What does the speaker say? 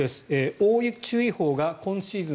大雪注意報が今シーズン